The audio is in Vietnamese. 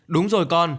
đúng rồi con